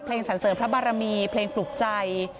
เพลงสั่นเสิร์ฟพระบารมีเพลงปลูกใจ